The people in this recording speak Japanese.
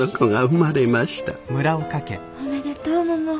おめでとうもも。